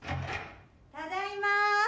ただいま。